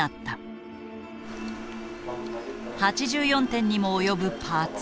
８４点にも及ぶパーツ。